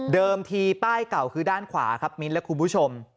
ทีป้ายเก่าคือด้านขวาครับมิ้นและคุณผู้ชม